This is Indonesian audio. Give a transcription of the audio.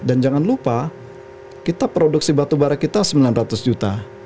dan jangan lupa kita produksi batubara kita sembilan ratus juta